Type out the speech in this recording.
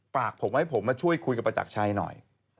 ฝากผมไว้ผมมาช่วยคุยกับประจักรชัยหน่อย